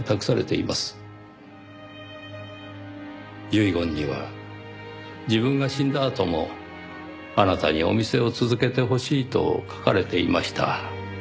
遺言には自分が死んだあともあなたにお店を続けてほしいと書かれていました。